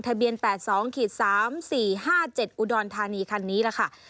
ทะเบียน๘๒๓๔๕๗อุดรธานีคันนี้แหละค่ะ